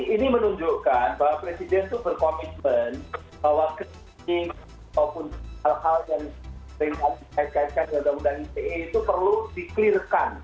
ini menunjukkan bahwa presiden itu berkomitmen bahwa krisik ataupun hal hal yang dikaitkan dengan undang undang ite itu perlu dikliarkan